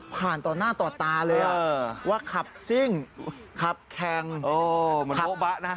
ต่อหน้าต่อตาเลยว่าขับซิ่งขับแข่งเหมือนโบ๊บะนะ